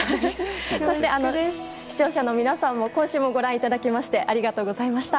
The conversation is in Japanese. そして、視聴者の皆さんも今週もご覧いただきましてありがとうございました。